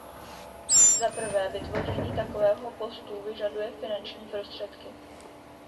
Za prvé, vytvoření takovéhoto postu vyžaduje finanční prostředky.